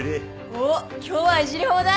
おっ今日はいじり放題？